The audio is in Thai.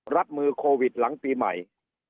รับมือโควิดหลังปีใหม่